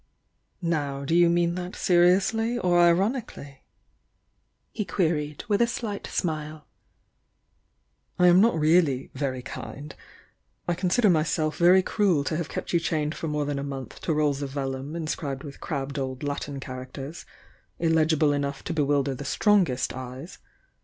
"Now do you mean that seriously or ironically?" he queried, with a slight smile. "I am not really 'very kind' — I cnnsiaer myself very cruel to have kept you chained for more than a month to rolls of vellum inscribed with crabbed old Latin charac ters, illegible enough to bewilder the strongest eyes.